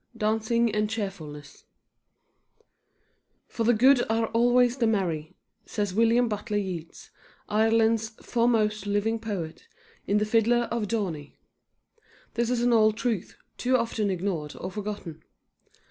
DANCING AND CHEERFULNESS "For the good are always the merry," says William Butler Yeats, Ireland's foremost living poet, in "The Fiddler of Dorney." This is an old truth, too often ignored or forgotten.